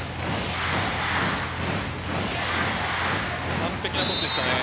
完璧なトスでしたね。